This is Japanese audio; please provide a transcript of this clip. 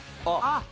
あっ